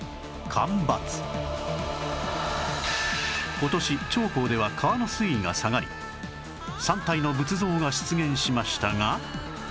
今年長江では川の水位が下がり３体の仏像が出現しましたが